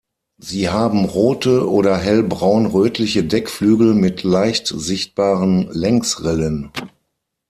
Sie haben rote oder hellbraun-rötliche Deckflügel, mit leicht sichtbaren Längsrillen.